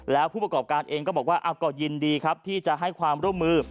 แล้วผู้ประกอบการเองก็บอกว่าก็ยินดีครับที่จะให้ความร่วมมือ